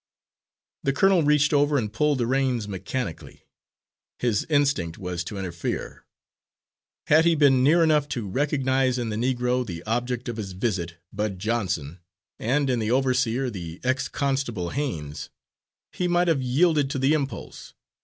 The colonel reached over and pulled the reins mechanically. His instinct was to interfere; had he been near enough to recognise in the Negro the object of his visit, Bud Johnson, and in the overseer the ex constable, Haines, he might have yielded to the impulse.